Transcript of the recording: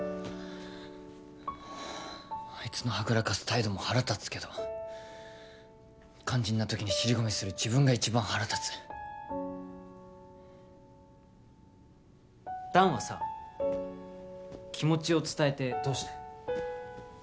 あいつのはぐらかす態度も腹立つけど肝心な時に尻込みする自分が一番腹立つ弾はさ気持ちを伝えてどうしたい？